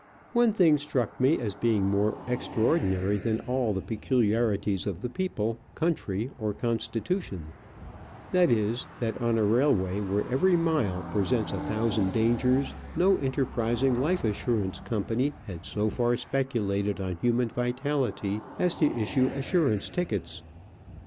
One thing struck me as being more extraordinary than all the peculiarities of the people, country, or constitution — that is, that on a railway where every mile presents a thousand dangers no enterprising life assurance com pany had so far speculated on human vitality as to issue assurance tickets.